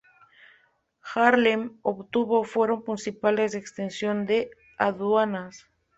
Haarlem obtuvo fueros municipales de exención de aduanas.